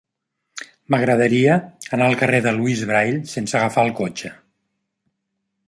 M'agradaria anar al carrer de Louis Braille sense agafar el cotxe.